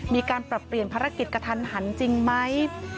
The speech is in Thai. มีการปรับเปลี่ยนภารกิจกระทันหันจริงไหม